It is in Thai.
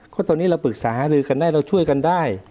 ก็ตอนนี้เราปรึกษาหารือกันได้เราช่วยกันได้